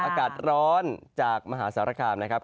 อากาศร้อนจากมหาสารคามนะครับ